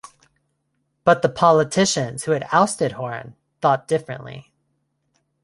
But the politicians who had ousted Horn thought differently.